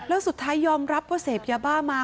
แล้วสุดท้ายยอมรับว่าเสพยาบ้ามา